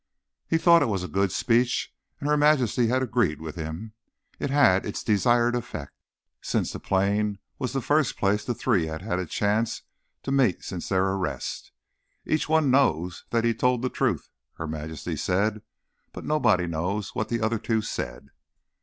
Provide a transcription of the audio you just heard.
He'd thought it was a good speech, and Her Majesty had agreed with him. It had its desired effect, since the plane was the first place the three had had a chance to meet since their arrest. "Each one knows that he told the truth," Her Majesty said, "but nobody knows what the other two said."